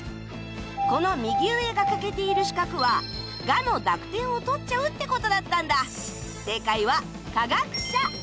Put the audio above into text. この右上が欠けている四角は「ガ」の濁点を取っちゃうってことだったんだ